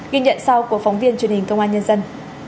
ghi nhận sau của phóng viên truyền hình công an nhân dân